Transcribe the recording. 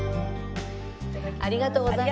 ありがとうございます。